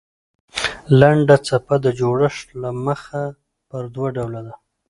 لنډه څپه د جوړښت له مخه پر دوه ډوله ده.